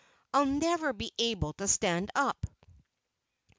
I'll never be able to stand up."